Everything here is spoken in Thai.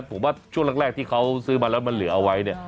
ผมว่าช่วงแรกที่เขาซื้อมาแล้วมันเหลือเอาไว้เนี่ย